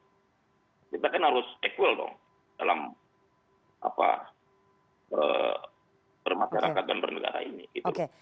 kita kan harus equal dong dalam bermasyarakat dan pernegaraan ini